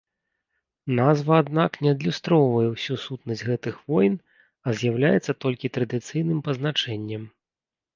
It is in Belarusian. Назва, аднак, не адлюстроўвае ўсю сутнасць гэтых войн, а з'яўляецца толькі традыцыйным пазначэннем.